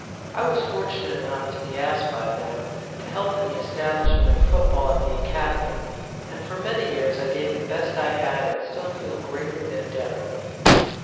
I was fortunate enough to be asked by them to help in the establishment of football at the Academy and for many years I gave the best I had and still feel greatly their debtor.